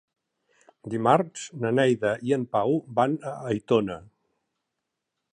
Dimarts na Neida i en Pau van a Aitona.